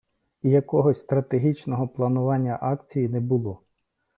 І якогось стратегічного планування акції не було.